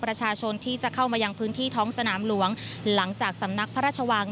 ประชาชนที่จะเข้ามายังพื้นที่ท้องสนามหลวงหลังจากสำนักพระราชวัง